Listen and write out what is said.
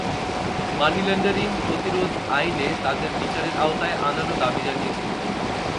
মানি laundering প্রতিরোধ আইনে তাঁদের বিচারের আওতায় আনারও দাবি জানিয়েছেন তিনি।